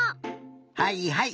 はいはい。